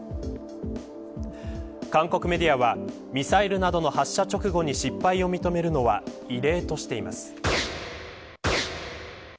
韓国メディアはミサイルなどの発射直後に失敗を認めるのは異例としています。